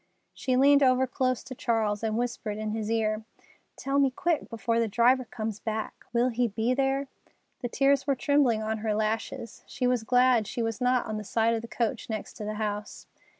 She leaned over close to Charles and whispered in his ear: "Tell me quick before the driver comes back: will he be there?" The tears were trembling on her lashes. She was glad she was not on the side of the coach next to the house.